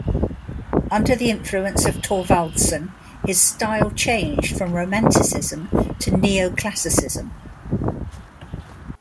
Under the influence of Thorvaldsen, his style changed from romanticism to neo-classicism.